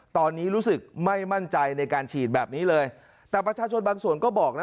ตอนนี้รู้สึกไม่มั่นใจในการฉีดแบบนี้เลยแต่ประชาชนบางส่วนก็บอกนะ